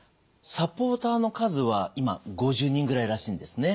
サポーターの数は今５０人ぐらいらしいんですね。